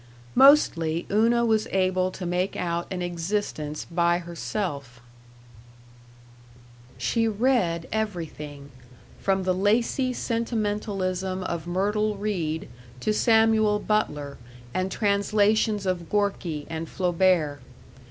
Mostly, Una was able to make out an existence by herself. She read everything from the lacy sentimentalism of Myrtle Read to Samuel Butler and translations of Gorky and Flaubert.